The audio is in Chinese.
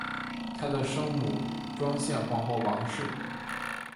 她的生母庄宪皇后王氏。